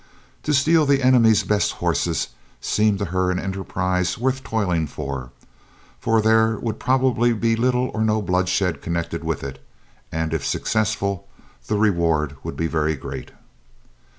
To steal the enemy's best horses seemed to her an enterprise worth toiling for, for there would probably be little or no bloodshed connected with it and, if successful, the reward would be very great.